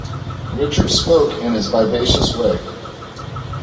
Richard spoke in his vivacious way.